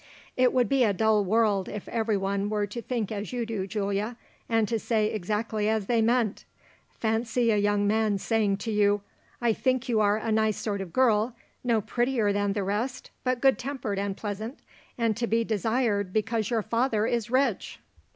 "It would be a dull world if every one were to think as you do, Giulia, and to say exactly as they meant. Fancy a young man saying to you: 'I think you are a nice sort of girl, no prettier than the rest, but good tempered and pleasant, and to be desired because your father is rich!'